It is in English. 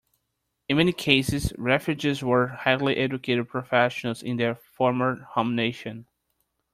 In many cases, Refugees were highly educated professionals in their former home nation.